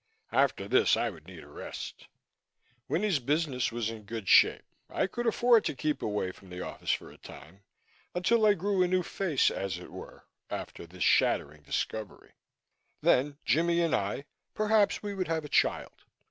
After this, I would need a rest. Winnie's business was in good shape. I could afford to keep away from the office for a time, until I grew a new face, as it were, after this shattering discovery. Then Jimmie and I perhaps we would have a child.